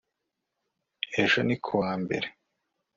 ejo ni ku wa mbere